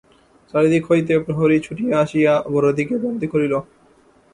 চারি দিক হইতে প্রহরী ছুটিয়া আসিয়া অপরাধীকে বন্দী করিল।